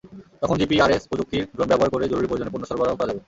তখন জিপিআরএস প্রযুক্তির ড্রোন ব্যবহার করে জরুরি প্রয়োজনে পণ্য সরবরাহ করা হবে।